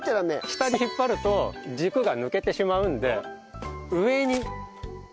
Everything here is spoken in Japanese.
下に引っ張ると軸が抜けてしまうんで。